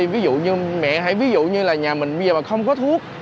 ví dụ như mẹ hay ví dụ như là nhà mình bây giờ mà không có thuốc